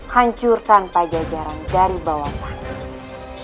hancurkan pajajaran dari bawah tangan